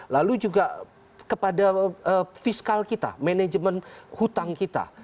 lalu juga kepada fiskal kita manajemen hutang kita